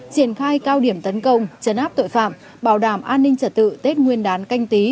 triển khai cao điểm tấn công chấn áp tội phạm bảo đảm an ninh trật tự tết nguyên đán canh tí hai nghìn hai mươi